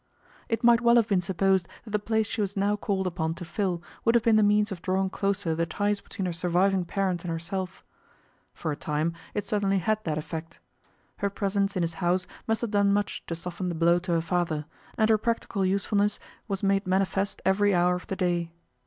It might well have been supposed that the place she was now called upon to fill would have been the means of drawing closer the ties between her surviving parent and herself. For a time it certainly had that effect. Her presence in his house must have done much to soften the blow to her father, and her practical usefulness was made manifest every hour of the day.